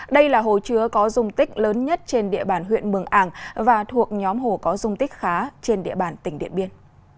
đây là hồ chứa có dung tích lớn nhất trên địa bàn huyện mường ảng và thuộc nhóm hồ có dung tích khá trên địa bàn tỉnh điện biên